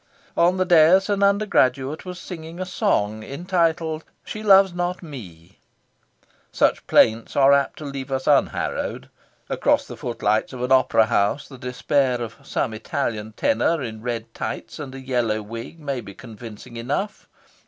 On the dais an undergraduate was singing a song entitled "She Loves Not Me." Such plaints are apt to leave us unharrowed. Across the footlights of an opera house, the despair of some Italian tenor in red tights and a yellow wig may be convincing enough.